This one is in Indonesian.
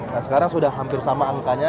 nah sekarang sudah hampir sama angkanya